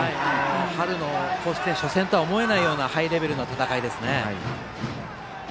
春の甲子園初戦とは思えないようなハイレベルな戦いですね。